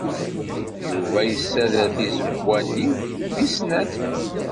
Yuba yessader tizewwa-nni deg snat.